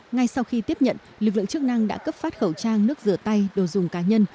ngay sau khi tiếp nhận lực lượng chức năng đã cấp phát khẩu trang nước rửa tay đồ dùng cá nhân